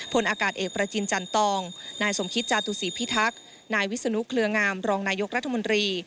พลอากาศเอกประจินจันตองนายสมคิตจาตุศีพิทักษ์นายวิศนุเครืองามรองนายกรัฐมนตรี